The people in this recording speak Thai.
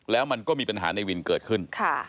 แล้วมันก็มีปัญหาในวินเกิดขึ้น